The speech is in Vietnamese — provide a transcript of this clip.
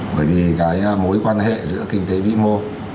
bởi vì cái mối quan hệ giữa kinh tế bị mộ